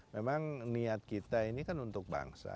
memang niat kita ini kan untuk bangsa